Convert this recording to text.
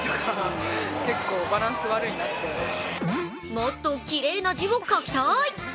もっときれいな字を書きたい。